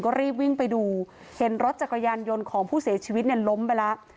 ก็รีบวิ่งไปดูเห็นรถจักรยานยนต์ของผู้เสียชีวิตเนี่ยล้มไปแล้ว